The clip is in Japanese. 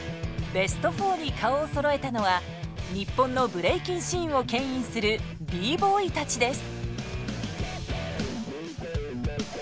ベスト４に顔をそろえたのは日本のブレイキンシーンをけん引するＢＢＯＹたちです。